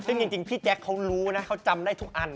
ซึ่งจริงพี่แจ๊คเขารู้นะเขาจำได้ทุกอัน